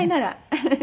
フフフ。